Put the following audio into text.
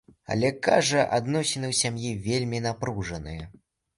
Але, кажа, адносіны ў сям'і вельмі напружаныя.